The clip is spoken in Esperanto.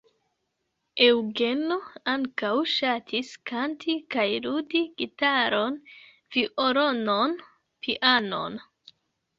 Eŭgeno ankaŭ ŝatis kanti kaj ludi gitaron, violonon, pianon.